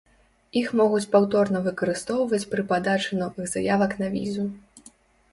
Іх могуць паўторна выкарыстоўваць пры падачы новых заявак на візу.